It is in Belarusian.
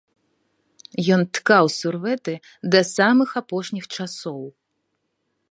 Ён ткаў сурвэты да самых апошніх часоў.